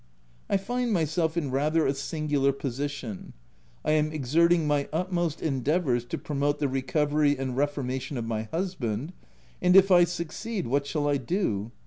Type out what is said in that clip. I find myself in rather a singular position : I am exerting my utmost endeavours to promote the recovery and reformation of my husband, and if I succeed what shall I do